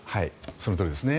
そのとおりですね。